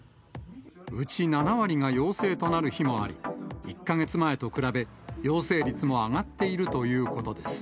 うち７割が陽性となる日もあり、１か月前と比べ、陽性率も上がっているということです。